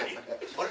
あれ？